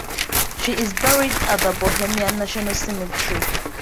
She is buried at the Bohemian National Cemetery.